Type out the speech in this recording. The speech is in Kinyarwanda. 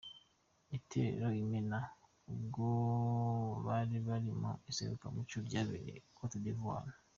Itorero Imena ubwo bari bari mu iserukiramuco ryabereye Cote d' Ivoir.